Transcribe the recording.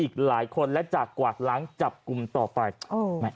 อีกหลายคนและจะกวาซล้างจับกรุมต่อไป